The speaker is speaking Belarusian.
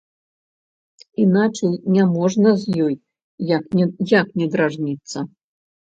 Іначай няможна з ёй, як не дражніцца.